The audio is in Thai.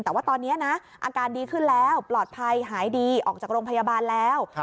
แต่ว่าตอนนี้นะอาการดีขึ้นแล้วปลอดภัยหายดีออกจากโรงพยาบาลแล้ว